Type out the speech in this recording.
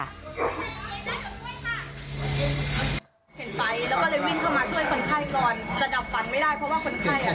เห็นไฟแล้วก็เลยวิ่งเข้ามาช่วยคนไข้ก่อน